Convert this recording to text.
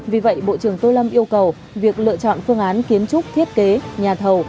vì vậy bộ trưởng tô lâm yêu cầu việc lựa chọn phương án kiến trúc thiết kế nhà thầu